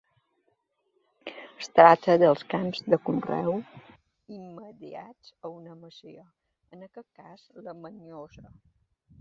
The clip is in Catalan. Es tracta dels camps de conreu immediats a una masia, en aquest cas la Manyosa.